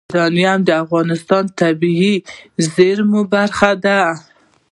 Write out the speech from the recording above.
یورانیم د افغانستان د طبیعي زیرمو برخه ده.